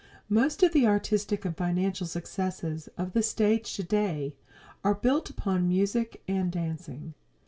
Most of the artistic and financial successes of the stage today are built upon music and dancing.